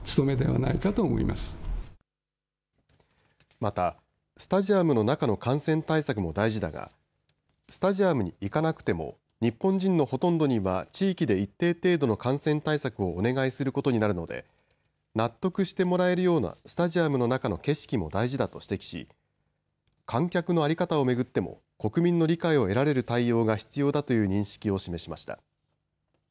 また、スタジアムの中の感染対策も大事だがスタジアムに行かなくても日本人のほとんどには地域で一定程度の感染対策をお願いすることになるので納得してもらえるようなスタジアムの中の景色も大事だと指摘し観客の在り方を巡っても国民の理解を得られる対応が必要だという認識を示しました。